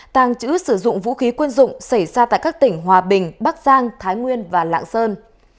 tàng trữ sử dụng vũ khí quân dụng xảy ra tại các tỉnh hòa bình bắc giang thái nguyên và lạng sơn